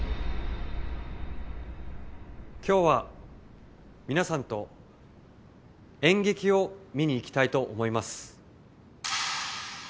今日は皆さんと演劇を観に行きたいと思います。